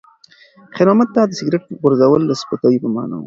خیر محمد ته د سګرټ غورځول د سپکاوي په مانا و.